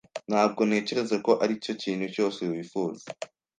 Ntabwo ntekereza ko aricyo kintu cyose wifuza.